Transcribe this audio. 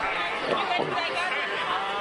Saḥḥit!